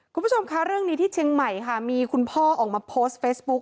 คุณผู้ชมคะเรื่องนี้ที่เชียงใหม่ค่ะมีคุณพ่อออกมาโพสต์เฟซบุ๊ค